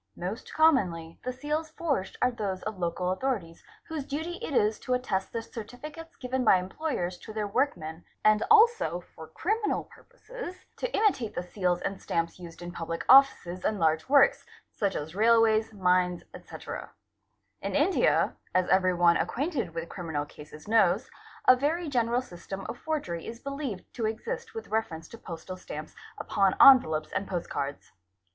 Most commonly the seals forged are those of local — authorities whose duty it is to attest the certificates given by employers to their workmen and also, for criminal purposes, to imitate the seals and stamps used in public offices and large works such as railways, mines, etc.; in India, as every one acquainted with criminal cases knows, a very general system of forgery is believed to exist with reference to postal stamps upon envelopes and postcards.